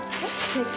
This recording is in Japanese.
えっ？